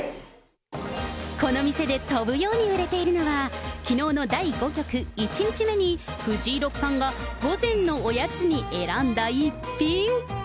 この店で飛ぶように売れているのは、きのうの第５局１日目に藤井六冠が午前のおやつに選んだ一品。